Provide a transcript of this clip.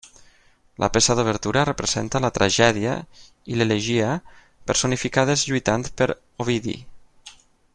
La peça d'obertura representa la Tragèdia i l'Elegia personificades lluitant per Ovidi.